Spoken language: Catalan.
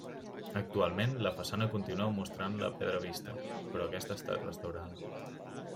Actualment, la façana continua mostrant la pedra vista, però aquesta ha estat restaurada.